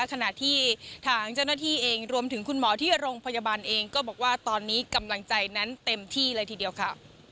ขณะที่ทางเจ้าหน้าที่เองรวมถึงคุณหมอที่โรงพยาบาลเองก็บอกว่าตอนนี้กำลังใจนั้นเต็มที่เลยทีเดียวค่ะ